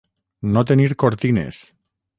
No tenir cortines.